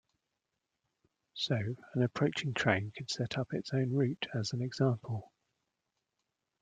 So, an approaching train could set up its own route, as an example.